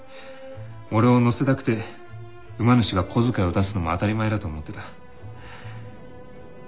俺を乗せたくて馬主が小遣いを出すのも当たり前だと思ってた。